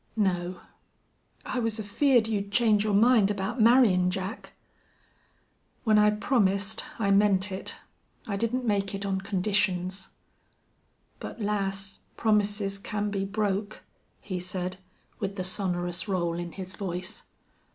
"No." "I was afeared you'd change your mind about marryin' Jack." "When I promised I meant it. I didn't make it on conditions." "But, lass, promises can be broke," he said, with the sonorous roll in his voice.